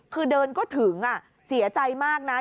คือเดินก็ถึงเสียใจมากนะ